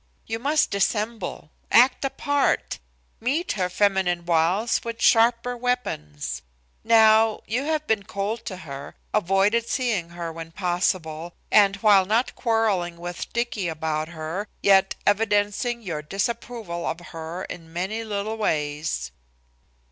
"You must dissemble, act a part, meet her feminine wiles with sharper weapons. Now you have been cold to her, avoided seeing her when possible, and while not quarreling with Dicky about her, yet evidencing your disapproval of her in many little ways."